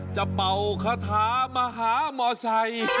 เป่าคาถามาหามอไซค์